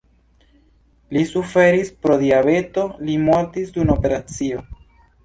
Li suferis pro diabeto, li mortis dum operacio.